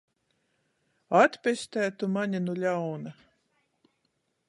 Atpestej tu mani nu ļauna!